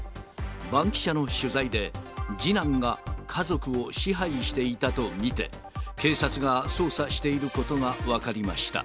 バンキシャの取材で、次男が家族を支配していたと見て、警察が捜査していることが分かりました。